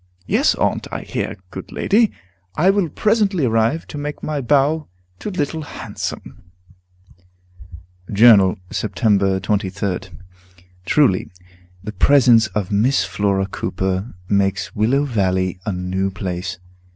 "Yes, Aunt; I hear, good lady! I will presently arrive, to make my bow to Little Handsome." Journal, Sept. 23d. Truly, the presence of Miss Flora Cooper makes Willow Valley a new place.